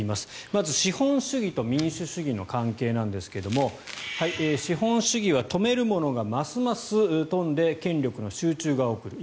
まず資本主義と民主主義の関係なんですけども資本主義は富める者がますます富んで権力の集中が起こる。